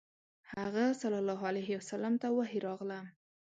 هغه ﷺ ته وحی راغله.